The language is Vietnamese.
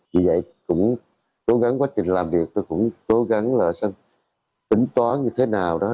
vì vậy cũng cố gắng quá trình làm việc tôi cũng cố gắng là tính toán như thế nào đó